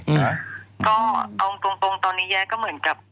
เอาตรงตอนนี้แยก็เหมือนการ